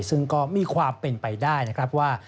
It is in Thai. ซึ่งก็มีความเป็นไปได้นะครับว่า